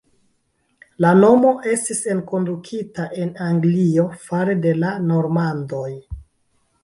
La nomo estis enkondukita en Anglio fare de la normandoj.